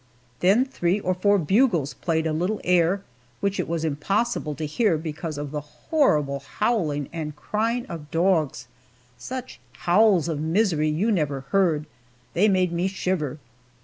Then three or four bugles played a little air, which it was impossible to hear because of the horrible howling and crying of dogs such howls of misery you never heard they made me shiver.